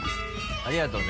ありがとうね。